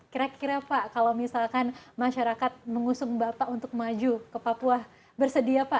kira kira pak kalau misalkan masyarakat mengusung bapak untuk maju ke papua bersedia pak